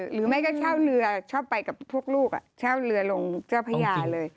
หรือไม่ก็เช่าเรือชอบไปกับพวกลูกเช่าเรือลงเจ้าพระยาเลย